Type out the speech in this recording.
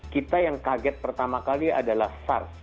kita yang kaget pertama kali adalah sars